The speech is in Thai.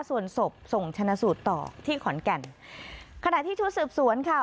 ส่วนศพส่งชนะสูตรต่อที่ขอนแก่นขณะที่ชุดสืบสวนค่ะ